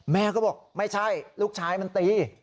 แม่ก็บอกไม่ใช่ลูกชายมันตี